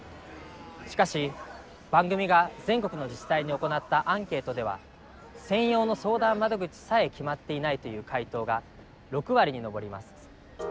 しかし番組が全国の自治体に行ったアンケートでは専用の相談窓口さえ決まっていないという回答が６割に上ります。